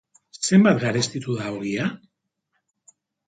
Zenbat garestitu da ogia?